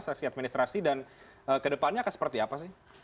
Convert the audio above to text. seksi administrasi dan ke depannya akan seperti apa